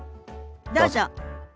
どうぞ。